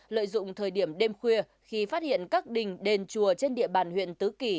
lợi dụng thời điểm đêm khuya khi phát hiện các đình đền chùa trên địa bàn huyện tứ kỳ